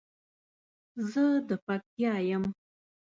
زه د پکتیا یم